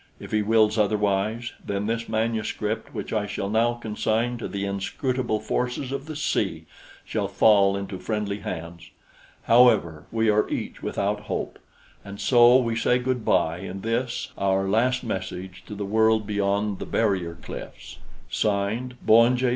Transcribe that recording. If He wills otherwise, then this manuscript which I shall now consign to the inscrutable forces of the sea shall fall into friendly hands. However, we are each without hope. And so we say good bye in this, our last message to the world beyond the barrier cliffs. (Signed) Bowen J.